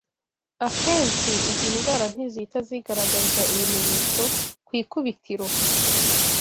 Akenshi izi ndwara ntizihita zigaragaza ibimenyetso ku ikubitiro